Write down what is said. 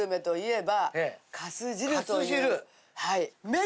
はい。